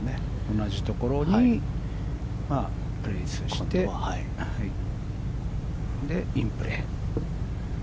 同じところにリプレースしてインプレー。